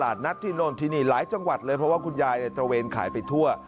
ตามตลาดนัทที่โณทินิหลายจังหวัดเลิฟหรือว่าคุณยายในตระเวณขายไปทั่ว